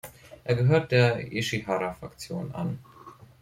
Er gehört der Ishihara-Faktion an.